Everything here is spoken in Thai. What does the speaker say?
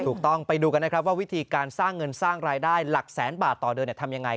ถูกต้องไปดูกันนะครับว่าวิธีการสร้างเงินสร้างรายได้หลักแสนบาทต่อเดือนทำยังไง